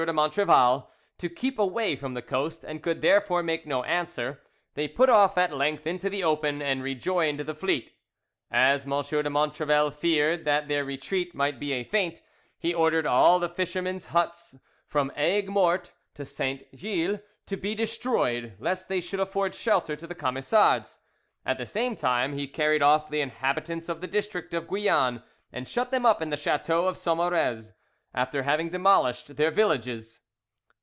de Montrevel to keep away from the coast, and could therefore make no answer, they put off at length into the open, and rejoined the fleet. As M. de Montrevel feared that their retreat might be a feint, he ordered all the fishermen's huts from Aigues Morte to Saint Gilles to be destroyed, lest they should afford shelter to the Camisards. At the same time he carried off the inhabitants of the district of Guillan and shut them up in the chateau of Sommerez, after having demolished their villages.